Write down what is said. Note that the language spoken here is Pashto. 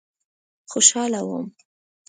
خوشاله وم.